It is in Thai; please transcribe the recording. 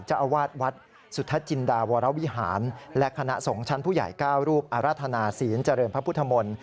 เจ้าอาวาสวัดสุทธจินดาวรวิหารและคณะสงฆ์ชั้นผู้ใหญ่๙รูปอรรถนาศีลเจริญพระพุทธมนตร์